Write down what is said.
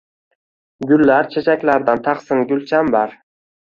Gullar-chechaklardan taqsin gulchambar